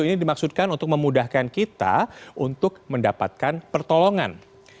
ini dimaksudkan untuk memudahkan kita untuk mendapatkan pertolongan